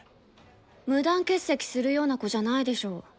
無断欠席するような子じゃないでしょ。